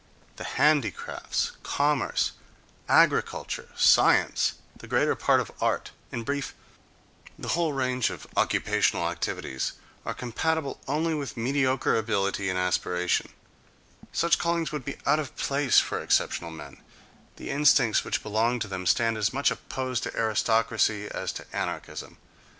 The handicrafts, commerce, agriculture, science, the greater part of art, in brief, the whole range of occupational activities, are compatible only with mediocre ability and aspiration; such callings would be out of place for exceptional men; the instincts which belong to them stand as much opposed to aristocracy as to anarchism.